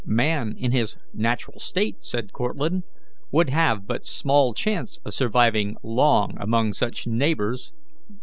"Man in his natural state," said Cortlandt, "would have but small chance of surviving long among such neighbours.